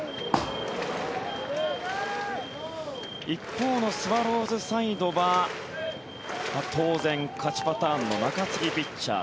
一方のスワローズサイドは当然、勝ちパターンの中継ぎピッチャー